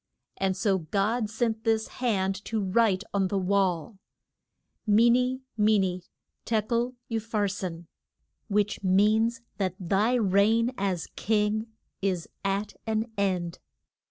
And so God sent this hand to write on the wall. ME NE, ME NE, TE KEL, U PHAR SIN, which means that thy reign as king is at an end.